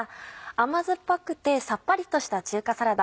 甘酸っぱくてサッパリとした中華サラダ。